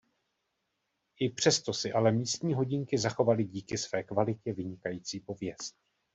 I přesto si ale místní hodinky zachovaly díky své kvalitě vynikající pověst.